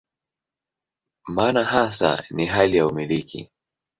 Maana hasa ni hali ya "umiliki".